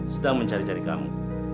sedang mencari cari kamu